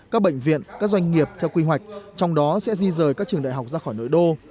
các bệnh viện các doanh nghiệp theo quy hoạch trong đó sẽ di rời các trường đại học ra khỏi nội đô